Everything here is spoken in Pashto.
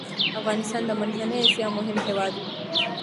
افغانستان د منځنی اسیا مهم هیواد و.